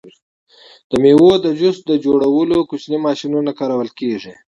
د میوو د جوس جوړولو کوچنۍ ماشینونه کارول کیږي.